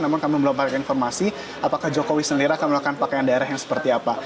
untuk memberikan informasi apakah jokowi sendiri akan melakukan pakaian daerah yang seperti apa